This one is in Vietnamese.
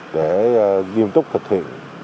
để nghiêm trúc thực hiện